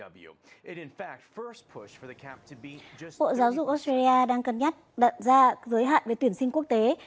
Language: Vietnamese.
bộ giáo dục australia đang cân nhắc đặt ra giới hạn về tuyển sinh quốc tế